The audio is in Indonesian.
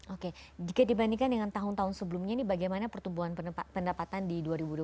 oke jika dibandingkan dengan tahun tahun sebelumnya ini bagaimana pertumbuhan pendapatan di dua ribu dua puluh